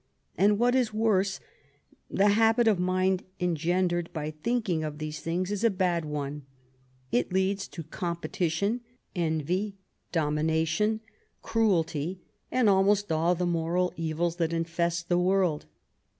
And what is worse, the habit of mind engendered by thinking of these things is a bad one; it leads to competition, envy, domination, cruelty, and almost all the moral evils that infest the world.